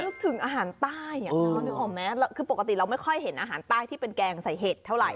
นึกถึงอาหารใต้นึกออกไหมคือปกติเราไม่ค่อยเห็นอาหารใต้ที่เป็นแกงใส่เห็ดเท่าไห